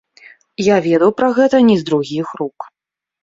Я ведаў пра гэта не з другіх рук.